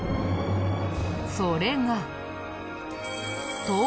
それが。